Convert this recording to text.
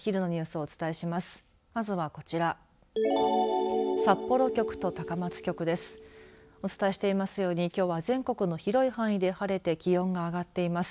お伝えしていますようにきょうは全国の広い範囲で晴れて気温が上がっています。